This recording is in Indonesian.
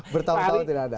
bertahun tahun tidak ada